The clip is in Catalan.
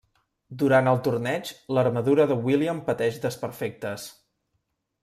Durant el torneig, l'armadura de William pateix desperfectes.